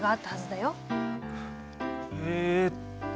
えっと。